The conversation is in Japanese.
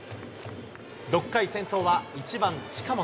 ６回、先頭は１番近本。